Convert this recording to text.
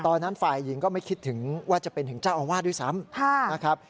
ฝ่ายหญิงก็ไม่คิดถึงว่าจะเป็นถึงเจ้าอาวาสด้วยซ้ำนะครับ